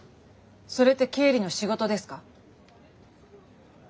それって経理の仕事ですか？